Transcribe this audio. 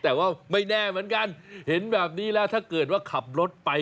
แต่ว่าไม่แน่เหมือนกันเห็นแบบนี้แล้วถ้าเกิดว่าขับรถไป